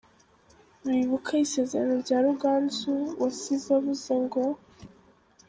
bibuka isezerano rya Ruganzu wasize avuze ngo